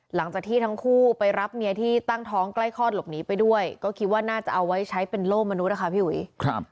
หลังจากที่ทั้งคู่ไปรับเมียที่ตั้งท้องใกล้คลอดหลบหนีไปด้วยก็คิดว่าน่าจะเอาไว้ใช้เป็นโล่มนุษย์นะคะพี่อุ๋ย